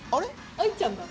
愛ちゃんだ。